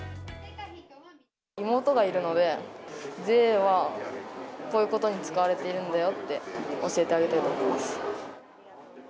妹がいるので、税はこういうことに使われているんだよって教えてあげたいと思い